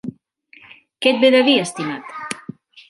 Què et ve de dir, estimat?